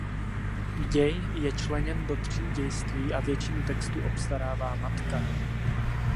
Děj je členěn do tří dějství a většinu textu obstarává matka.